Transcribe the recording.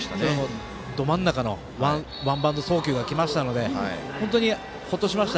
ど真ん中のワンバン送球がきましたので本当にほっとしました。